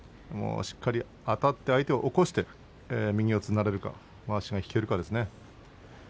しっかりあたって相手を起こして右四つになれるかまわしが引けるかですね。